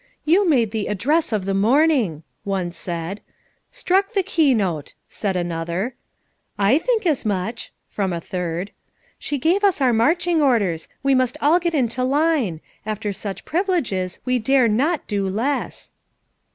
"You made the address of the morning," one said. '' Struck the key note, '? said another* "I think as much!" from a third. "She gave us our marching orders; we must all get into line; after such privileges we dare not clo less."